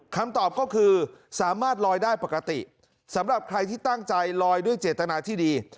คำตอบก็คือสามารถลอยได้ปกติสำหรับใครที่ตั้งใจลอยด้วยเจตนาที่ดี